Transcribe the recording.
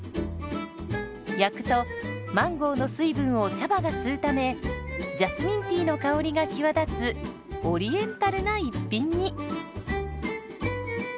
焼くとマンゴーの水分を茶葉が吸うためジャスミンティーの香りが際立つオリエンタルな一品に。